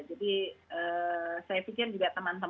jadi saya pikir juga teman teman di apa namanya ya